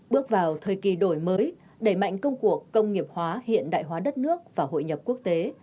bước vào thời kỳ đổi mới đẩy mạnh công cuộc công nghiệp hóa hiện đại hóa đất nước và hội nhập quốc tế